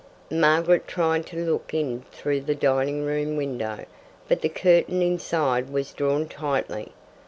Margaret tried to look in through the dining room window, but the curtain inside was drawn tightly.